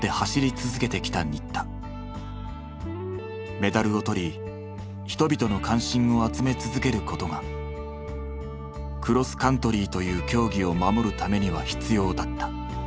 メダルを取り人々の関心を集め続けることがクロスカントリーという競技を守るためには必要だった。